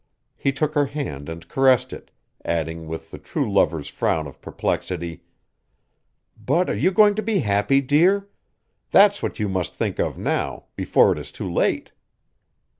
He took her hand and caressed it, adding with the true lover's frown of perplexity, "But are you going to be happy, dear? That's what you must think of now before it is too late."